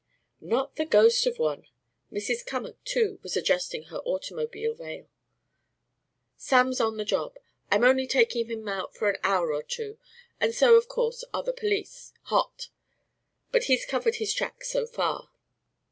"Not the ghost of one." Mrs. Cummack, too, was adjusting her automobile veil. "Sam's on the job, I'm only taking him out for an hour or two; and so, of course, are the police hot. But he's covered his tracks so far."